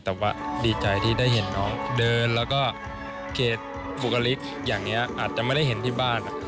แต่ว่าดีใจที่ได้เห็นน้องเดินแล้วก็เขตบุคลิกอย่างนี้อาจจะไม่ได้เห็นที่บ้าน